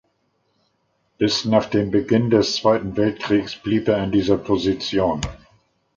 Bis nach dem Beginn des Zweiten Weltkriegs blieb er in dieser Position.